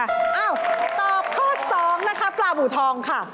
อ้าวตอบข้อสองนะครับปลาบูทองค่ะ